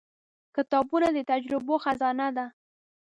• کتابونه د تجربو خزانه ده.